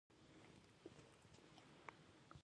هغه بايد له عادي ماشومانو سره يو ځای وي.